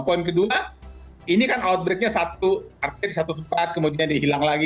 poin kedua ini kan outbreaknya satu artinya di satu tempat kemudian dihilang lagi